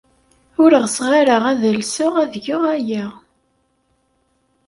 Ur ɣseɣ ara ad alseɣ ad geɣ aya.